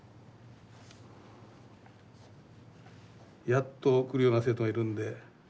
やっと来るような生徒がいるんで。